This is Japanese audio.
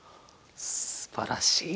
すばらしい。